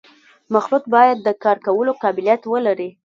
مخلوط باید د کار کولو قابلیت ولري